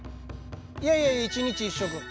いやいや１日１食。